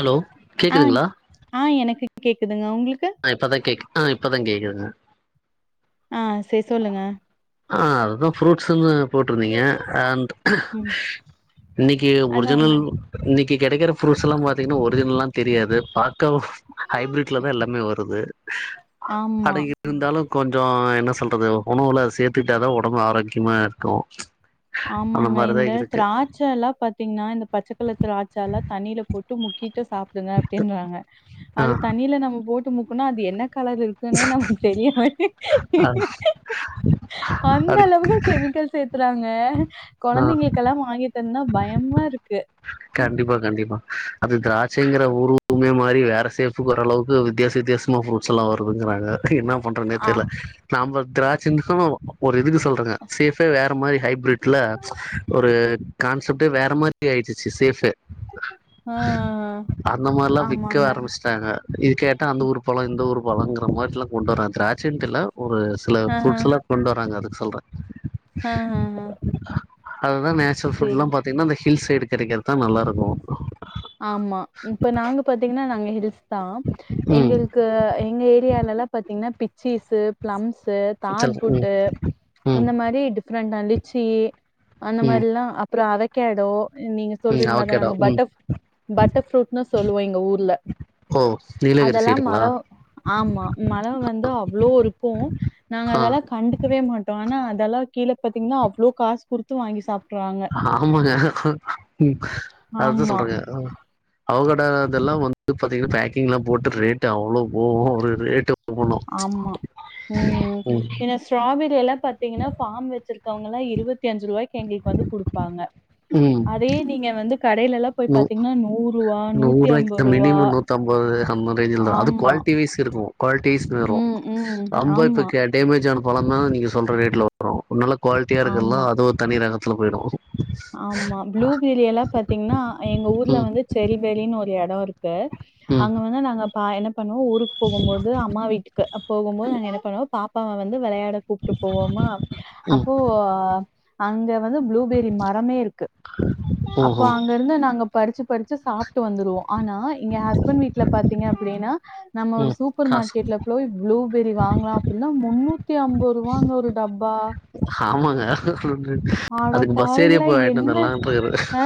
Hello ஆங் கேக்குதுங்களா ஆ எனக்கு கேக்குதுங்க உங்களுக்கு ஆ இப்பதா கேக் ஆ இப்பதா கேக்குதுங்க ஆ சே சொல்லுங்க ஆ அதுதா ஃப்ரூட்ஸ்ன்னு போட்டருந்தீங்க ஆண்ட் ம். இன்னிக்கு அதாங்க. ஒரிஜினல் இன்னைக்கி கெடைக்கிற ஃப்ரூட்ஸ் எல்லா பாத்தீங்கன்னா ஒரிஜினல் எல்லா தெரியாது பாக்க ஹைப்ரெட்ல தா எல்லா வருது ஆமா இர்ந்தாலு கொஞ்சோ என்ன சொல்றது உணவுல சேத்துக்ட்டாதா உடம்பு ஆரோக்கியமா இருக்கு அந்த ஆமாங்க மாரிதா இந்த இருக்கு திராட்ச்ச திராட்ச எல்லா பாத்தீங்கன்னா இந்த பச்ச கலர் திராட்ச எல்லா தண்ணில போட்டு முக்கிட்டு சாப்டுங்க அப்டின்றாங்க ஆ அது தண்ணில நம்ம போட்டு முக்குனா அது என்ன கலர் இருக்குன்னே நமக்கு தெரிய மாட்டே அ அந்த அதுக் அளவுக்கு கெமிக்கல் சேத்து குறாங்க ஆ கொழந்தைங்ளுக்கெல்லா வாங்கி தந்தா பயமா இருக்கு கண்டிப்பா கண்டிப்பா அது திராட்சைங்கிற ருமே மாதிரி வேற சேஃப்புக்கு வர அளவுக்கு வித்தியாச வித்தியாச சமா ஃப்ரூட்ஸ் எல்லா வருதுங்கறாங்க என்ன பண்றனே ஆ. தெர்ல நம்ம திராட்சிக்கு ஒரு இதுக்கு சொல்றங்க சேஃப்பே வேற மாரி ஹைபிரிட் ட்ல ஒரு கான்செப்டே வேற மாரி ஆயிடுச்சு சேஃப்பு ஆ. அந்த மார்லா விக்க ஆமாங்க. ஆரம்பிச்சு ங்க இது கேட்டா அந்த ஊர் பழோ இந்த ஊர் பழோங்ர மார்லா கொண்டு வரா த்ராச்சங்ரல ஒரு சில ஆஹ. ஃப்ரூட்ஸ் எல்லா கொண்டு வராங்க அதுக்கு சொல்ற ஆ ஆ ஆ அதுதா நேச்சுரல் ஃபுட் எல்லா பாத்தீங்கன்னா அந்த ஹில்ஸ் சைடு கெடைக்கிறதுதா நல்லா இருக்கு ஆமா இப்ப நாங்க பாத்தீங்ன்னா நாங்க ஹில்ஸ்தா எங்க ம் ள்க்கு எங்க ஏரியால எல்லா பாத்தீங்கன்னா பிச்சிஸு ப்ளம்ஸு தாட் சொல்லுங்க பூட்டு ம் ம் இந்த மாரி டி ஃப்ரெட்டா லிச்சு அந்த ம் மாரில அப்றோ அவக்கேடோ நீங்க ம் சொல்றீங்ளதா அவகேடோ நாங்க ம் பட்டர்ஃப் பட்டர்ஃப்ரூட்னு சொல்லுவோ எங்க ஊர்ல ஓ நீலகிரி அதெல்லா சைடுங்களா மரோ ஆமா மரோ வந்து அவ்ளோ இருக்கு நாங்க ஆ அதலா கண்டுக்கவே மாட்டோ அனா அதெல்லா கீழ பாத்திங்ன்னா அவ்ளோ காசு குடுத் து வாங்கி சாப்ட்ரு வாங் ஆமாங்க அதா ஆமா, சொல்றங்க அவகேடா இதெல்லா வந்து பாத்தீங்கன்னா பேக்கிங்ளா போட்டு ரேட்டு் அவ்ளோ போவு ஒரு ரேட்டு போனு ஆமா உம் ம் இந்த ஸ்ட்ராபெரி எல்லா பாத்தீங்கன்னா ஃபாம் வச்சிருக் கவுங்களா இருவத்தி அஞ்சு ரூவாய்க்கு எங்ளுக்கு வந்து குடுப்பாங்க அதே நீங்க வந்து கடைலலா நு நூறுவாய்க்த மினிமோ நூத்து அம்பது [unintelligible] அது ஆமா. குவால்டி வைஸ் இருக்கு குவால்டி வைஸ் ஏறு ம், ம். ஆமா, [unintelligible] டேமேஜ் ஆன பழோ தா நீங்க சொல்ற ரேட்ல வரு நல்லா குவாலிட்டியா இருக்கதுலா ஆமா, அது தனி ரகத்துல போயிடு ஆமா ப்ளூபெரி எல்லா பாத்தீங்கன்னா எங்க ஊர்ல ம் வந்து செரிபெரினு ஒரு எடொ இருக்கு ம் அங்க வந்து நாங்க பா என்ன பண்ணுவோ ஊருக்கு போகுபோது அம்மா வீட்டுக்கு போகுபோது நாங்க என்ன பண்ணுவோ பாப் ப்பாவ வந்து விளையாட கூப்ட்டு போவோமா ம் அப்போ அங்க வந்து ப்ளு எல்லாமே இருக்கு அப்போ ஓஹோ அங்க இருந்து நாங்க பறிச்சு பறிச்சு சாப்ட்டு வந்துருவோ ஆனா எங்க ஹஸ்பண்ட் வீட்ல பாத்தீங்க அப்டின்னா நம்ம ஒரு ம் சூப்பர் காசு மார்க்கெட்ல போய் ப்ளூபெரி வாங்கலா அப்டின்னா முன்னூத்தி அம்போருவாங்க ஒரு டப்பா ஆமாங்க அட அதுக்கு பஸ் ஏறியே பாவிங்களா போய் என்ன வந்துரலான்ட்டு இருக்குற அ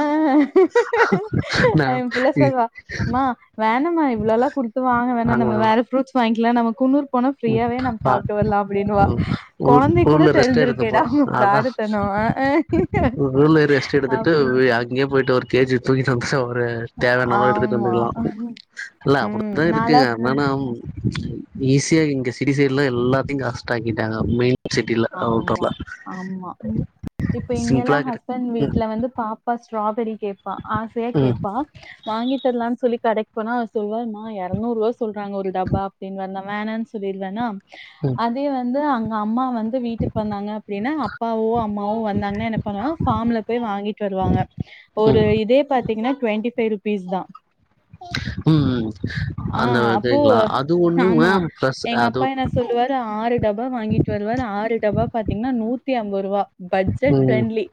நா என் புள்ள இ சொல்லுவா மா வேணம்மா இவ்ளோலா குடுத்து வாங்க வேணா ஆமா நம்ம வேற ஃப்ரூட்ஸ் வாங்கிக்கலா நம்ம குன்னூர் போன ம் ஃப்ரீயாவே நம்ம ஆ சாப்ட்டு வர்லா அப்டின்வ ம் ஊர் கொழந்தைக் கூட ஊர்ல ரெஸ்ட் எடுத்துப்போ தெரிஞ்சிருக்கேடா அவுங்க ஃப்ராடு சொன்னவா ஊர்லயே ரெஸ்ட் எடுத்துட்டு அங்கயே போய்ட்டு ஒரு கே ஜி தூக்கிட்டு வந்துட்டு ஒரு தேவையான அளவு எடுத்துட்டு ஆமா வந்துக்கலா இல்ல ம் அப்டிதா இருக்குங்க நான்லாம் போ என்னன்னா ஈஸியா இங்க சிட்டி சைட்லா எல்லாத்தையு காஷ்ட ஆக்கிட்டாங்க மெயின் சிட்டில அவுட் ஆமா ஆஃப்ல ஆமா இப்ப இங்கெல்லா சிம்பிளா கெடை ஹஸ்பண் ம் வீட்ல வந்து பாப் பா ஸ்ட்ராபெரி கேப்பா ஆசையா ம் கேப்பா வாங்கி தர்லான் சொல்லி கடைக் போனா சொல்வார்மா எரநூர்வா சொல்றாங்க ஒரு டப்பா அப்டின்னு வார் நா வேனான் சொல்லிருவன்னா அதே வந்து அங்க அம்மா வந் ந்து வீட்டுக்கு வந்தாங்க அப்டின்னா அப்பாவோ அம்மாவோ வந்தாங்கன்னா என்ன பண்ணுவாங்க ஃபார்ம்ல போய் வாங்கிட்டு வருவாங்க ஒரு ம் ம் இதே பாத்தீங்ன்னா டொண்டி ஃபைவ் ருபீஸ் தா உம் உம் அந்த அப்போ தேங்களா அது ஒண்ணு ஆமா மேம் ஃப்ளஸ் எங்க அது அப்பா என்ன சொல்லுவாரு ஆறு டப்பா வாங்கிட்டு வருவார் ஆறு டப்பா பாத்திங்ன்னா நூத்தி அம்ப ருவா பட்ஜெட் ம் ப்ரெண்ட்லி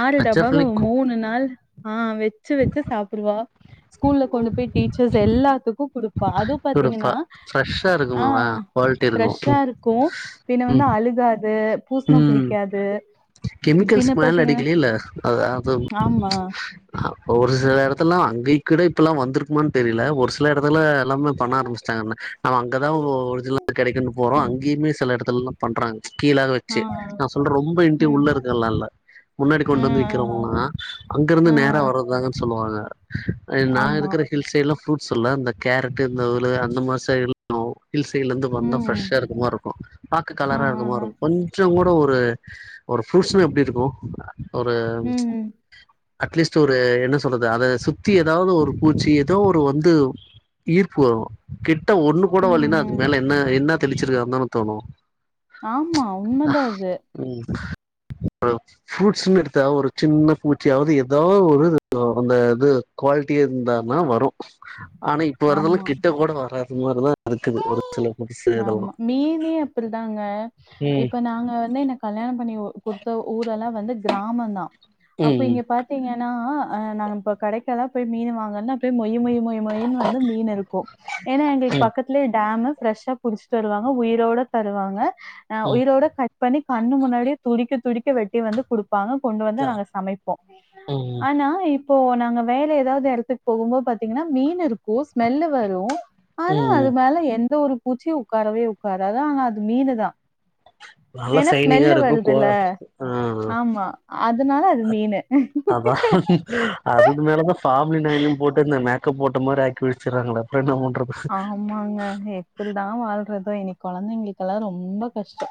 ஆறு பச்ச டப்பாவ புள்ளைக்கு மூணு நாள் ஆ வெச்சு வெச்சு சாப்புடுவா ஸ்கூல்ல கொண்டு போய் டீச்சர்ஸ் எல்லாத்துக்கு குடுப்பா அதுவு பாத்தீங்கன்னா ஃப்ரெஷ்ஷா ஆ இருக்குமாமா குவாலிட்டி ஃப்ரஸ்ஷா இருக்கு பின்ன வந்து ம் அழுக் காது பூஸ்ணோ புடிக்காது கெமிக்கல்ஸ் பின்ன மேல பாத்தீங்கன்னா அடிக்லேல அது அதாவ் ஆமா ஒரு சில எடத்துலல்லா அங்கயாக்கூட இப்ப எல்லா வந்திருக்குமான்னு தெரில ஒரு சில எடத்துல எல்லாமே பண்ண ஆரம்பிச்சிட்டாங்கன்ன நம்ம அங்கதா ஒரிஜினலா கெடைக்குன்னு போறோ அங்கயுமே சில எடத்துல எல்லா பண்றாங்க கீழாக வெ ஆ ச்சி நா சொல்ற ரொம்ப இன்டி ம் உள்ள இருக்கலா இல்ல முன்னாடி ஆ கொண்டு வந்து விக்கறவங்கள்ளா அங்க இருந்து ஆ ஆ நேரா வர்றதுதாங்கன்னு சொல்லுவாங்க நா ஆமா இருக்கற ஹில் சைட்ல்லா ப்ரூட்ஸ்ஸுல்ல இந்த கேரட் இந்த [unintelligible] அந்த மாரி சைடுல் ஹில் சைட்லந்து வந்தா ம் ஃப்ரெஷ்ஷா இருக்கமாரி இருக்கு பாக்க ஆ கலரா ஆ இருக்கமாரி ஆ இருக்கு கொஞ் சங்கூட ஒரு ஒரு ஃப்ரூடஸ்னா எப்டி இருக்கு ஒரு ம்ச் ம் ம் அட்லீஸ்ட் ஒரு என்ன சொல்றது அத சுத்தி எதாவது ஒரு பூச்சி ஏதோ ஒரு வந்து ஈர்ப்பு வரு கிட்ட ஒண்ணு கூட ம் வல்லைன்னா ம் அதுக் மேல என்ன என்ன தெளிச்சிருகாங்கதான தோணு ஆமா உண்மதா அது ம் ஹலோ ஃப்ரூட்ஸ்னு எடுத்தா ஒரு சின்ன பூச்சியாவ்து ஏதோ ஒரு அந்த இது குவால்ட்டி இருந்தானா வரு ஆனா இப்ப வரதெல்லா ஆமா கிட்ட கூட வராது மாரிதா இருக்குது ஒரு சில புரூட்ஸு இதெல்லா மீனே அப்டிதாங்க ம் இப்ப நாங்க வந்து எனக் கல்யாணம் பண்ணி குடுத்த ஊரெல்லா வந்து கிராமந்தா அப்ப ம் ம் இங்க பாத் தீங்கன்னா அஹ நாங்க இப்ப கடைக்கல்லா போய் மீனு வாங்கன்னா மொய்யி மொய்யிமொய்யி மொயின்னு வந்து மீன் இருக்கு ஏனா எங்களுக்கு ம் பக்கத்திலே டேம்மு பிரெஷ்ஷா புடிச்சு தருவாங்க உயிரோட தருவாங்க அ ம் உயிரோட கட் கட் பண்ணி கண்ணு முன்னாடியே துடிக்க துடிக்க வெட்டி வந்து குடுப் பாங்க கொண்டு வந்து நாங்க சமைப்போ ம் ம் ஆனா இப் இப்போ நாங்க வேற எதாவது இடத்துக்கு போகும்போத் பாத்தீங்கன்னா மீன் இருக்கு ஸ்மெல்லு வரு ஆனா ம் அது மேல எந்த ஒரு பூச்சியு உக்காரவே உக்காராது ஆனா அது மீனுதா நல்லா ஏனா சைனிங்கா ஸ்மெல்லு இருக்கு கோ வருதுல்ல ஆ ஆ ஆமா அதனால அது மீனு அபா அதுக்கு மேலதான் ஃபாம்லின் ஆயிலியு போட்டென்ன மேக்கப் போட்ட மாரி ஆக்கிவெச்சுராங்கலே அப்றோ என்ன பண்றத் ஆமாங்க எப்டிதா வாழ்றதோ இனி கொழந்தைங்ளுக்கல்லா ரொம்போ கஷ்டோ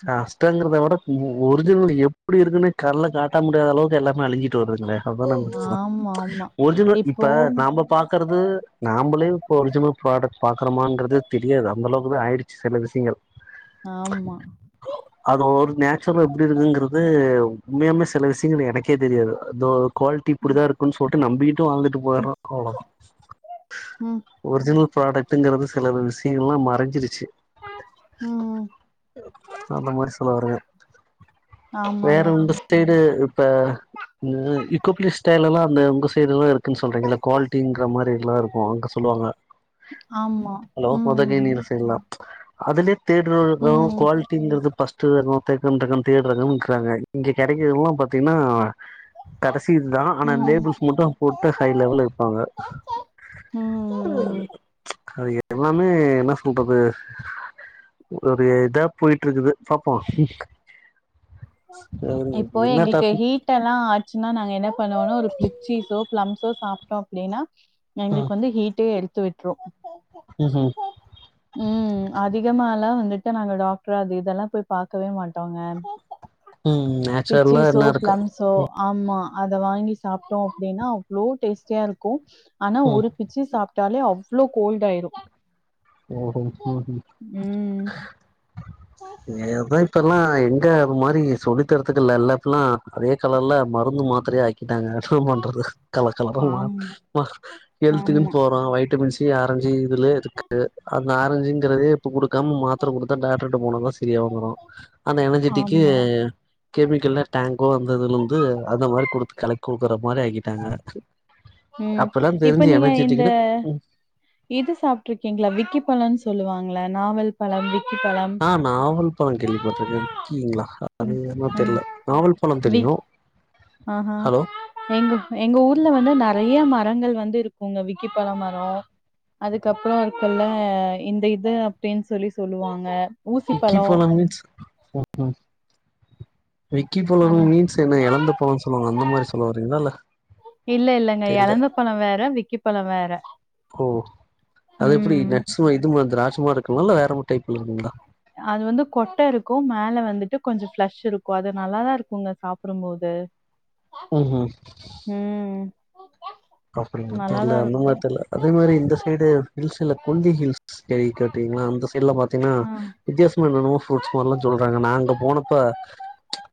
க்காஸ் ஒட்டங்கறத விட ஒரிஜினல் எப்டி இருக்குன்னு கண்ல காட்ட முடியாத அளவுக்கு எல்லாமே அழிஞ்சிட்டு வருதுங்ளே அதா நா படிச்சது ஆமா ஆமா ஒர்ஜினல் இப்போ இப்ப நாம பாக்றது நாமளே இப்போ ஒரிஜினல் ப்ராடக்ட் பாக்றோமான்றது தெரியாது அந்தளவுகுத ஆயிடுச்சு ஸெல விஷ்யங்கள் ஆமா அது ஒரு நேச்சுரல் எப்டி இருக்குங்கிறது உண்மையாமே சில விஷயங்கள் எனக் கே தெரியாது அதோ குவாலிட்டி ம் இப்டிதா இருக்குன் சொல் ட்டு நம்பிட்டு வாழ்ந்துட்டு போய்ட்றா அவ்ளோதா ம் ஒர்ஜினல் ப்ராடக் டுங்கறது சில விஷயம்லா மறைஞ்சிருச்சு ம் ம் அந்த மாரி சொல்ல வாரங்க வேற ஆமாங்க உங்க சைடு இப்ப இந்த இக்கோபிலிஸ் ஸ்டைலலா அந்த உங்க சைட்ல்லா இருக்குன் சொல்றீங்கல்ல க்வாலிட்டிங்ற மாரி லா இரு ஒ அங்க சொல்லுவாங்கா ஆமா லோ கோத்தகினி ம் அந்த சைட்லா அதுலயே ம் தேடுறோங்கோ ம் குவாலிட்டிங்கறது பஸ் டு நுத்தேகம் தேகம் தேடுறவங்க இருகாங்க இங்க கிடைக்கிறது எல்லா பாத்தீங்னா கடைசி இதுதா ஆனா லேபிள்ஸ் மட்டு போட்டு ஹை லெவல்ல விப்பாங்க ம் அது எல்லாமே என்ன சொல்றது ஒரு இதா போயிட்ருக்குது பாப்போ அதாவ்து என்ன டாபிக் ட்டலா ஆச்சுன்னா நாங்க என்ன பண்ணுவோன ஒரு பிளிச்சிஸோ பிளம்ஸோ சாப் டோ அப்டின்னா ம் எங்களுக்கு வந்து ஹீட்டே எடுத்து விட்ரு ம் ம் ம் அதிகமாலா வந்துட்டு நாங்க டாக்டர் அது இதெல்லா போய் பாக்கவே மாட்டோங்க ம் நேச்சுர்ல் என்ன இருக்கு சோ ஆமா அத வாங்கி சாப்ட்டோ அப்டின்னா அவ்வளோ டேஸ்ட்டியா இருக்கு ஆனா ம் ஒரு பிச்சி சாப்ட்டாலே அவ்வளோ கோல்ட் ஆயிரு ஓஹோ ம்ஹு அ எவ இப்ப எல்லா எங்க அது மாரி சொல்லித்தரதுக்குல்ல எல்லா இப்ப எல்லா அதே கலர்ல மருந்து மாத்திரையா க் கிட்டாங்க என்ன பண்றது கலர் கலர மாத் ஆமா மா ஹெல்த்துக்குன் ஆமா போறோ வைட்டமின்ஸ் தி ஆரஞ்சு இதுல இருக்குது அந்த ஆரஞ்சுங்கிறதே இப்ப குடுக்காம மாத்தர கொடுத்தா டாக்டரு ட போனதா செ சரியா வந்துரு ஆனா எனர்ஜிடிக்கி ஆமா கெமிக்கல்ல டேங்கோ அந்த இதுல இருந்து அந்த மாரி கொடுத்து கலக்கு கொடுக்குற மாரி ஆக்கிட்டாங்க ம் அப்பல்லா இப்ப தெரிஞ்சு நீங்க இந்த எனர்ஜெட்டிக்குன்னு ம் இது சாப்ட்ருக்கீங்களா விக்கி பழனு சொல்லுவாங்களே நாவல் பழம் விக்கி பழம் அ நாவல் பழோ கேள்விப்பட்ருக்க கீங்ளாக அது ம் என்னமோ ம் தெரியல நாவல் பழம் தெரியு ஹலோ எங் எங்க ஊர்ல வந்து நெறைய மரங்கள் வந்து இருக்குங்க விக்கிப்பழம் மரோ அதுக்கப்புறோ இப்பல்ல இந்த இது அப்டின் சொல்லி சொல்லுவாங்க விக்கி ஊசிப்பழோ பழம் மீன்ஸ் விக்கி பழோ அந்த மீன்ஸ் என்ன எலந்த பழனு சொல்லுவாங்கல்ல அந்த மாரி சொல்ல வரிங்களா இல்ல இல்ல இல்லங்க தெர்ல எலந்த பழ வேற விக்கிப்பழம் வேற ஓ அது எப்டி ம். நட்ஸ்மா இதுமா திராட்ச மாரி இருக்குங்களா இல்ல வேற மா டைப்ல இருக்குங்களா அது வந்து கொட்ட இருக்கு மேல வந்துட்டு கொஞ்சோ ஃப்ளெஷ் இருக்கு அது நல்லாதா இருக்குங்க சாப்டும்போது அ ம் ம் ம் அப்டிங்ளா தெர்ல நல்லாதான் அந்த இருக்கும். மாரி தெர்ல அதே மாரி இந்த சைடு ஹில்ஸில்ல கொல்லி ஹில்ஸ்சு கே கேட்டீங்கனா அந்த சைட்ல பா த்தினா ஆ. வித்தியாசமா என்னனவோ ஃபூருட்ஸ் மார்லா சொல்றாங்க நா அங்க போனப்ப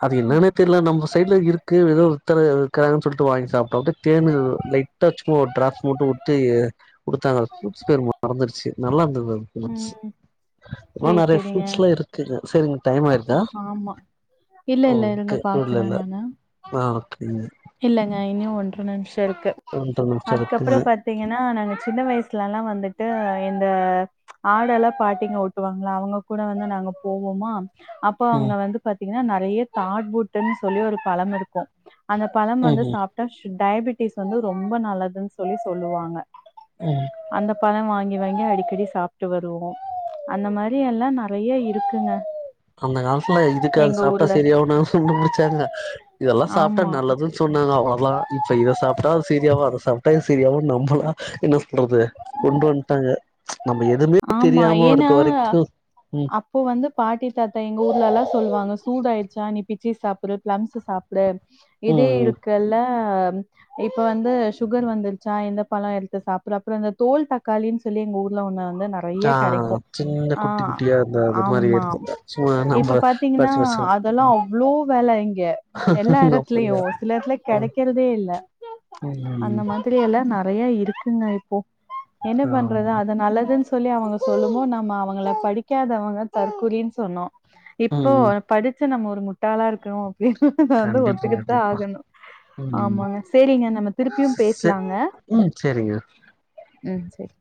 அது ம். என்னனே தெர்ல நம்ம சைட்ல இருக்கு ஏதோ ஒருத்தரு இருக்றாங்கன்னு சொல்ட்டு வாங்கி சாப்ட்டோ அப்டே தேனு லைட் டா சும்மா ஒரு ட்ராப்ஸ் மட்டு வுட்டு குடுத்தாங்க ஃபுருட்ஸ் பேர் மறந்துருச்சு நல்லார்ந்தது அது இருந்ச்சு ம். ஆ சரி, நெறைய சரிங்க. ஃப்ரூட்ஸ்லா இருக்குங்க சரிங்க டைம் ஆயிருதா ஆமா இல்ல, இல்ல இருங்க ஓகே பாக்குறேன் விட்லல்ல நானு. அ ஓகே இல்லங்க இன்னு ஒன்ற நிமிஷ இருக்கு ஒன்ற நிமிஷோ அதுக்கப்புற இருக்குங்க பாத் தீங்கன்னா நாங்க சின்ன வயசுலல்லா வந்துட்டு இந்த ஆடெல்லா பாட்டிங்க ஓட்டுவாங்ளா அவங்க கூட வந்து நாங்க போவோமா அப்போ அங்க ம் வந்து பாத்தீங்கன்னா நெறைய தாட்பூட்டுன் சொல்லி ஒரு பழம் இருக்கு அந்த பழம் ம் வந்து ம் சாப்ட்டா சு டயபிட்டிஸ் வந்து ரொம்ப நல்லதுன் சொல்லி சொல்லுவாங்க ம் அந்த பழ வாங்கி வாங்கி அடிக்கடி சாப்ட்டு வருவோ அந்த மாரி எல்லா நெறைய இருக்குங்க அந்த காலத்துல இதுக்கு அது எங்க சாப்டா ஊர்ல சரியாகுனா சுண்டு புடிச்சாங்க இதெல்லா சாப்டா ஆமா நல்லதுன் சொன்னாங்க அவ்ளதா இப்ப இத சாப்ட்டா அது சரியாவு அத சாப் ட்ட சரியாவு நம்மளா என்ன பண்றது கொண்டு வன்ட்டாங்க நம்ம எதுமே ஆமா தெரியாம இருக்க ஏன்னா வரைக்கு ம் அப்போ வந்து பாட்டி தாத்தா எங்க ஊர்லலா சொல்வாங்க சூடாயிடுச்சா நிப் பிச்சி சாப்புடு ப்ளம்ஸ் சாப்பிடு இதே ம் ம் இருக்குல்ல இப்ப வந்து சுகர் வந்துருச்சா இந்த பழ எடுத்து சாப்புடு அப்ற அந்த தோல் தக்காளின்னு சொல்லி எங்க ஊர்ல ஒண்ணு வந்து நறையா ஆ கெடைக்கு சின்ன அ குட்டி குட்டியா அந்த அது மாரி ஆமா எடுத்து சும்மா இப்ப நம்ம பாத் தீங்கன்னா படிச்சு அதெல்லா படிச்சு அவ்ளோ வெல இங்க எல்லா ம் எடத்துலயு அப்படியா சில எடத்துல கெடக்கறதே இல்ல ஐ ஐ அந்த மாதிரி நெறைய இருக்குங்க இப்போ என்ன ஆமா பண்றது அத நல்லதுன் சொல்லி அவங்க சொல்லுவோ நம்ம அவங்கள படிக்காதவங்க தற்குறின் சொன்னோ ம் இப்போ ம் படிச்ச நம்ம ஒரு முட்டாளா இருக்கனு அப்டின்றத வந்து கண்டிப்பா ஒத்துக்கிட்டுத்தா கண்டிப்பா ஆகணு ம் ஆமாங்க சேரிங்க நம்ம திருப்பியு செ பேசலாங்க ம் செரிங்க ம் செரி